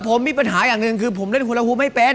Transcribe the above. ผมมีปัญหาอย่างหนึ่งคือผมเล่นคุณละภูมิไม่เป็น